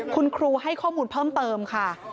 คุณครูให้ข้อมูลเพิ่มเติมค่ะ